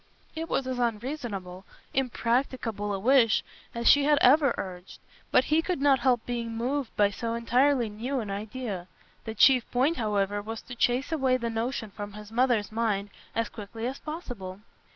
It was as unreasonable, impracticable a wish as she had ever urged, but he could not help being moved by so entirely new an idea. The chief point, however, was to chase away the notion from his mother's mind as quickly as possible.